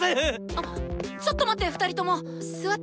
あっちょっと待って２人とも座って。